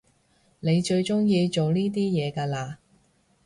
你最中意做呢啲嘢㗎啦？